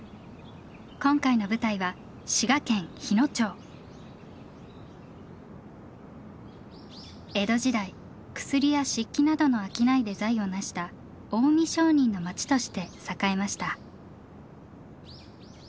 今回の舞台は江戸時代薬や漆器などの商いで財を成した近江商人の町として栄えました。